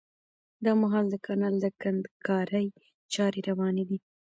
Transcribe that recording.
دا مهال د کانال د کندنکارۍ چاري رواني دي